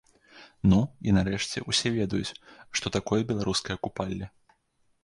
Ну, і нарэшце, усе ведаюць, што такое беларускае купалле.